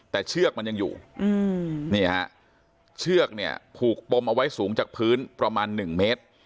แต่เชือกมันยังอยู่นี่ฮะเชือกเนี่ยผูกปมเอาไว้สูงจากพื้นประมาณ๑เมตร